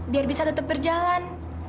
biar bisa tetep berjalan